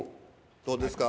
どうですか？